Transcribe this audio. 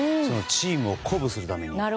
チームを鼓舞するために。